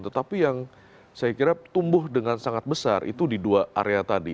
tetapi yang saya kira tumbuh dengan sangat besar itu di dua area tadi